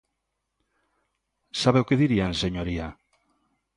¿Sabe o que dirían, señoría?